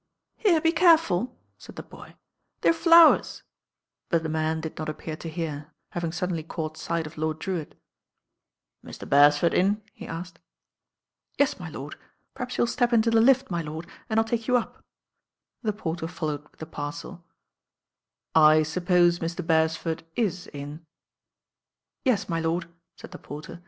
170 THE BAIN OIRL "Here, be careful/* taid the boy, "they*re flow en; but the man did not appear to hear, having •uddenly caught light of Lord Drewitt. "Mr. Beretford in?" he asked. "Yes, my lord. Perhaps you'll step into the lift, my lord, and Til take you up." The porter followed with the parcel. "I suppose Mr. Beresford is in?" "Yes, my lord,'* said the porter.